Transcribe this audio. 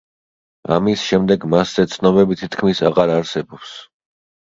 ამის შემდეგ მასზე ცნობები თითქმის აღარ არსებობს.